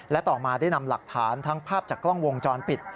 และต่อมาได้นำหลักฐานทั้งภาพจากกล้องวงจรปิด